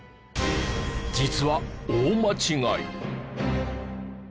実は大間違い。